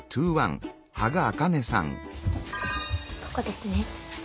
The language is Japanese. ここですね。